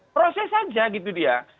proses saja gitu dia